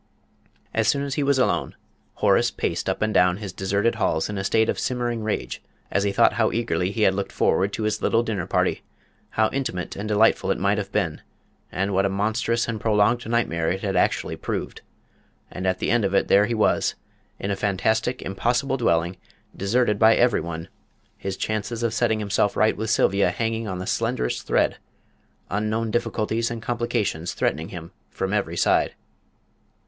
As soon as he was alone, Horace paced up and down his deserted halls in a state of simmering rage as he thought how eagerly he had looked forward to his little dinner party; how intimate and delightful it might have been, and what a monstrous and prolonged nightmare it had actually proved. And at the end of it there he was in a fantastic, impossible dwelling, deserted by every one, his chances of setting himself right with Sylvia hanging on the slenderest thread; unknown difficulties and complications threatening him from every side!